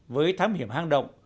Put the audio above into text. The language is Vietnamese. với thám hiểm hang động